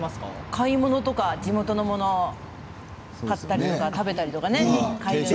買い物とか地元のものを買ったり食べたり。